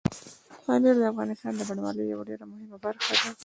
پامیر د افغانستان د بڼوالۍ یوه ډېره مهمه برخه ده.